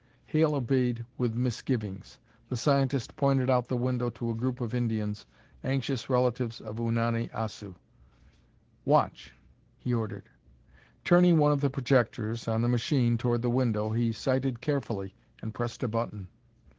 Hale obeyed with misgivings. The scientist pointed out the window to a group of Indians, anxious relatives of Unani Assu. "Watch!" he ordered. Turning one of the projectors on the machine toward the window, he sighted carefully and pressed a button.